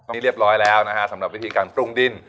นี่เรียบร้อยแล้วนะฮะสำหรับวิธีการปรุงดิ้น